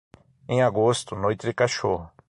Em agosto, noite de cachorro.